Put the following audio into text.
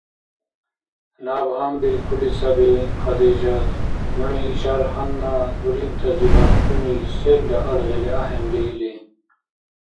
Наб гьанбиркули саби, Хадижат, нуни ишар гьанна дурибтазибад хӀуни селра аргъили ахӀенри или.